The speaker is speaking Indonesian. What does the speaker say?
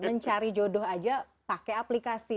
mencari jodoh aja pakai aplikasi